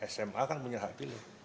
sma kan punya hak pilih